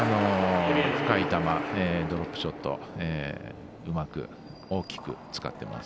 深い球、ドロップショットうまく大きく使ってます。